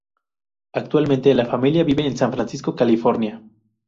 Actualmente la familia vive en San Francisco, California.